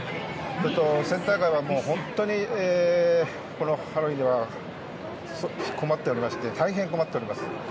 センター街は本当にハロウィーンでは困っておりまして大変困っております。